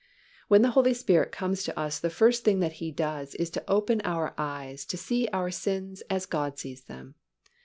When the Holy Spirit comes to us the first thing that He does is to open our eyes to see our sins as God sees them.